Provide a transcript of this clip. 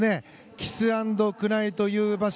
キスアンドクライという場所。